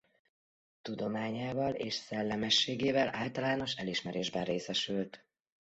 Tudományával és szellemességével általános elismerésben részesült.